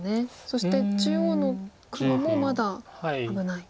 そして中央の黒もまだ危ない。